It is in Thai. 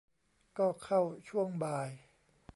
ก็เข้าช่วงบ่าย